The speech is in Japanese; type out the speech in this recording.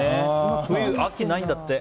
秋、ないんだって。